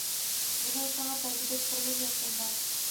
مىنىڭ ساڭا بەرگۈدەك بىرلا نەرسەم بار.